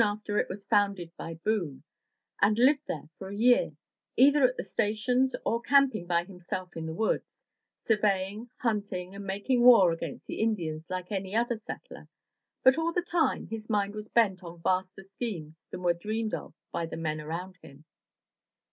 THE TREASURE CHEST it was founded by Boone, and lived there for a year, either at the stations or camping by himself in the woods, surveying, hunting, and making war against the Indians like any other settler, but all the time his mind was bent on vaster schemes than were dreamed of by the men around him.